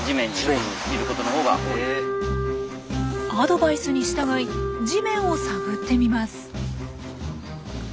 アドバイスに従い地面を探ってみます。